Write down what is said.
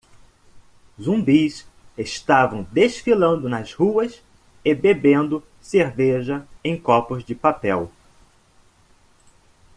Zumbis estavam desfilando nas ruas e bebendo cerveja em copos de papel.